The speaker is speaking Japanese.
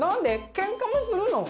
ケンカもするの？